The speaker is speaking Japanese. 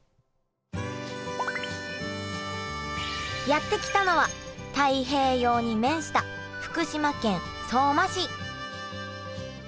やって来たのは太平洋に面した福島県相馬市。